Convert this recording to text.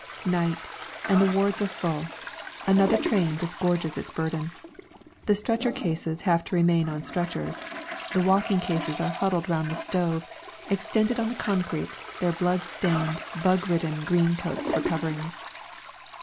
Night, and the wards are full. Another train disgorges its burden. The stretcher cases have to remain on stretchers. The walking cases are huddled round the stove, extended on the concrete, their blood stained, bug ridden greatcoats for coverings.